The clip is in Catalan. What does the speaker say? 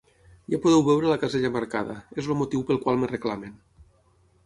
Ja podeu veure la casella marcada, és el motiu pel qual me reclamen.